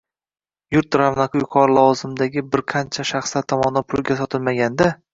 yurt ravnaqi yuqori lavozimlardagi birqancha shaxslar tomonidan pulga sotilmaganda